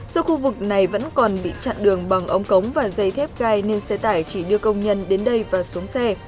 do khu vực này vẫn còn bị chặn đường bằng ống cống và dây thép gai nên xe tải chỉ đưa công nhân đến đây và xuống xe